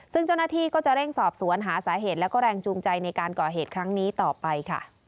ซึ่งเจ้าหน้าที่ก็จะเร่งสอบสวนหาสาเหตุและแรงจูงใจในการก่อเหตุครั้งนี้ต่อไปค่ะ